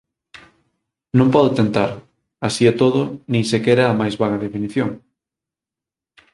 Non podo tentar, así e todo, nin sequera a máis vaga definición.